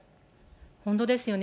本当ですよね。